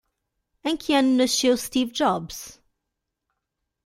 Em que ano nasceu Steve Jobs?